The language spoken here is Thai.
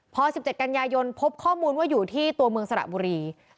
พอ๑๗กันยายนพบข้อมูลว่าอยู่ที่ตัวเมืองสระบุรี